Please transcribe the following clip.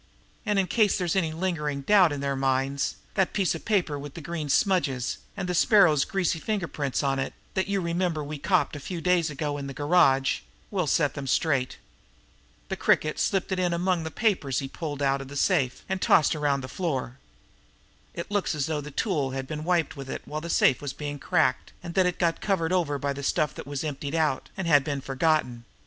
And in case there's any lingering doubt in their minds, that piece of paper with the grease smudges and the Sparrow's greasy finger prints on it, that you remember we copped a few days ago in the garage, will set them straight. The Cricket slipped it in among the papers he pulled out of the safe and tossed around on the floor. It looks as though a tool had been wiped with it while the safe was being cracked, and that it got covered over by the stuff that was emptied out, and had been forgotten.